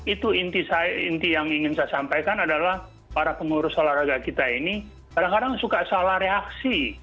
itu inti yang ingin saya sampaikan adalah para pengurus olahraga kita ini kadang kadang suka salah reaksi